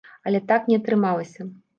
Але так не атрымалася.